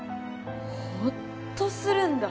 ホッとするんだ